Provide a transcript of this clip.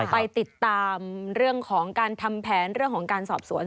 ไปติดตามเรื่องของการทำแผนเรื่องของการสอบสวน